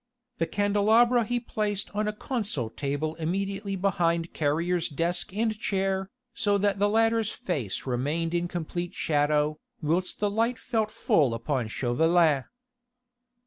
The candelabra he placed on a console table immediately behind Carrier's desk and chair, so that the latter's face remained in complete shadow, whilst the light fell full upon Chauvelin.